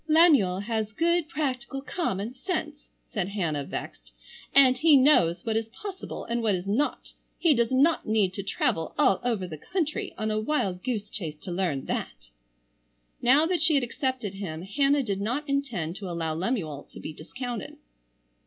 "Lemuel has good practical common sense," said Hannah, vexed, "and he knows what is possible and what is not. He does not need to travel all over the country on a wild goose chase to learn that." Now that she had accepted him Hannah did not intend to allow Lemuel to be discounted.